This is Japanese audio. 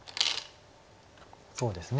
そうですね。